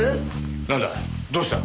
なんだどうした？